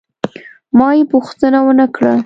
ما یې پوښتنه ونه کړه.